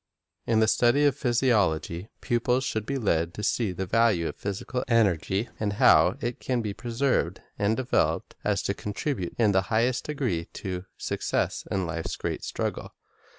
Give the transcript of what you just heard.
In the study of physiology, pupils should be led to see the value of physical energy, and how it can be so preserved and developed as to contribute in the highest degree to success in life's great struggle.